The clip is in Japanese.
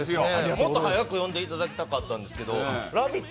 もっと早く呼んでいただきたかったんですけど、「ラヴィット！」